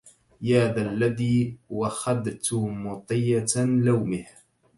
يا ذا الذي وخدت مطية لومه